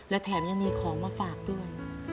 และแถมยังมีของมาฝากด้วย